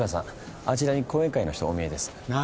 あちらに後援会の人お見えです。なぁ？